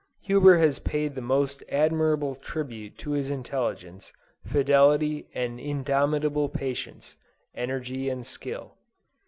Huber has paid the most admirable tribute to his intelligence, fidelity and indomitable patience, energy and skill.